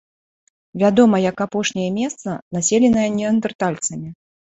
Вядома як апошняе месца, населенае неандэртальцамі.